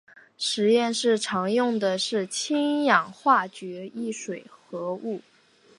实验室常用的是氢氧化铯一水合物。